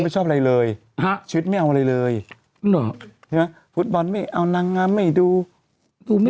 ไม่ชอบอะไรเลยชีวิตไม่เอาอะไรเลย